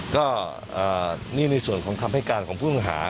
ก็นี่ในส่วนของคำให้การของผู้ต้องหา